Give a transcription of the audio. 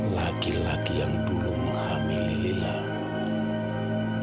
laki laki yang belum menghamil lilah